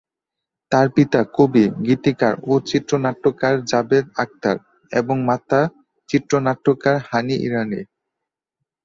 তার পিতা কবি, গীতিকার, ও চিত্রনাট্যকার জাভেদ আখতার এবং মাতা চিত্রনাট্যকার হানি ইরানি।